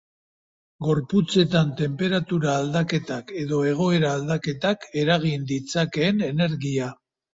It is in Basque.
Gorputzetan tenperatura-aldaketak edo egoera aldaketak eragin ditzakeen energia.